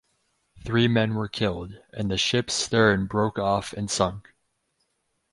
Three men were killed, and the ships stern broke off and sunk.